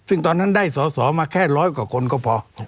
ซึ่งตอนนั้นได้สอสอมาแค่ร้อยกว่าคนก็พอ